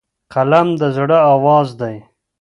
قلم د زړه آواز دی